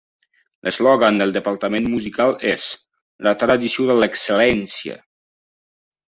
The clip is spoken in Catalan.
L'eslògan del departament musical és "La tradició de l'excel·lència".